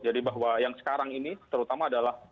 jadi bahwa yang sekarang ini terutama adalah